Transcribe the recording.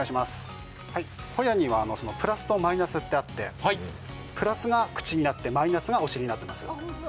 ホヤにはプラスとマイナスってあってプラスが口になってマイナスがお尻になっています。